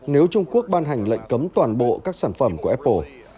nếu trung quốc ban hành lệnh cấm toàn bộ các sản phẩm của apple